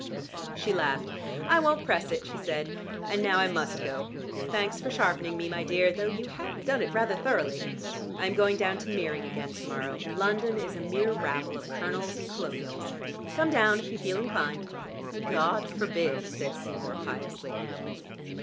She laughed. "I won't press it," she said. "And now I must go. Thanks for sharpening me, my dear, though you have done it rather roughly. I am going down to Meering again to morrow: London is a mere rabble of colonels and colonials. Come down if you feel inclined." "God forbid!" said Seymour piously.